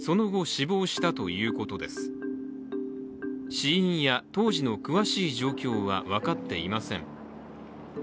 死因や、当時の詳しい状況は分かっていません。